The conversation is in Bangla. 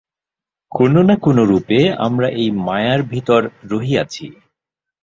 কোন না কোনরূপে আমরা এই মায়ার ভিতর রহিয়াছি।